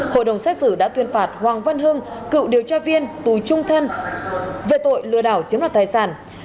hội đồng xét xử đã tuyên phạt hoàng văn hưng cựu điều tra viên tù trung thân về tội lừa đảo chiếm đoạt tài sản